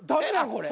これ。